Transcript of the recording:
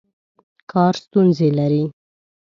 کار ستونزې لري.